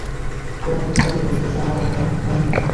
ফিরআউনের স্ত্রী বলল, এই শিশু আমার ও তোমার নয়ন প্রীতিকর।